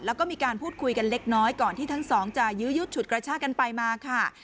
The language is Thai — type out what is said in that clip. แล้วก็มีการพูดคุยกันเล็กน้อยก่อนที่ทั้งสองจะยื้อยุดฉุดกระชากันไปมาค่ะ